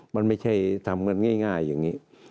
มันไม่ใช่ทำกันง่ายอย่างนี้